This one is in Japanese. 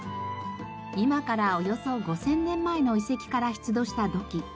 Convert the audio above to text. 今からおよそ５０００年前の遺跡から出土した土器。